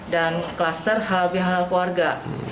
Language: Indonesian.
dan klaster halal bihalal keluarga